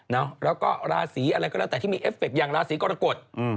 แล้วก็ราศีอะไรก็แล้วแต่ที่มีเอฟเคอย่างราศีกรกฎ